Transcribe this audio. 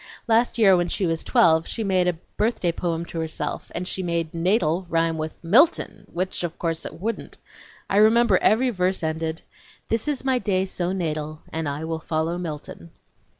Last year when she was twelve she wrote a birthday poem to herself, and she made natal' rhyme with Milton,.' which, of course, it wouldn't. I remember every verse ended: 'This is my day so natal And I will follow Milton.'